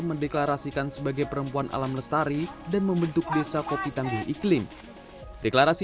mendeklarasikan sebagai perempuan alam lestari dan membentuk desa kopi tangguh iklim deklarasi